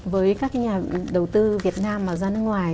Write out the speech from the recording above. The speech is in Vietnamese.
với các nhà đầu tư việt nam mà ra nước ngoài